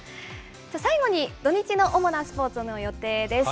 最後に土日の主なスポーツの予定です。